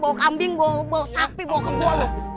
bau kambing bau sapi bau kebo